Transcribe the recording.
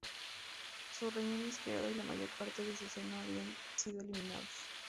Su riñón izquierdo y la mayor parte de su seno habían sido eliminados.